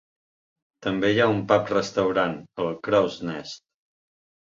També hi ha un pub restaurant, el Crow's Nest.